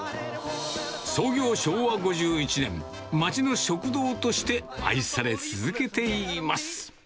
創業昭和５１年、街の食堂として愛され続けています。